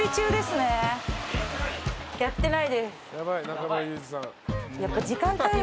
・やってない？